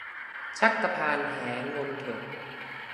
ชักตะพานแหงนเถ่อ